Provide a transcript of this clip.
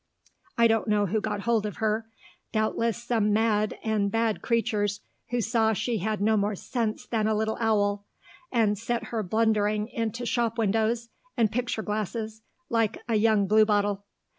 I don't know who got hold of her; doubtless some mad and bad creatures who saw she had no more sense than a little owl, and set her blundering into shop windows and picture glasses like a young blue bottle....